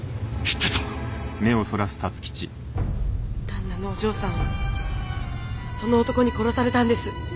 旦那のお嬢さんはその男に殺されたんです。